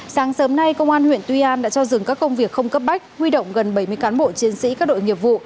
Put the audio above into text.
sáng sớm nay công an huyện tuy an đã cho dừng các công việc không cấp bách huy động gần bảy mươi cán bộ chiến sĩ các đội nghiệp vụ